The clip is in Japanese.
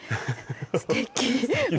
すてき。